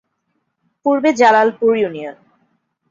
পূর্বে জালালপুর ইউনিয়ন।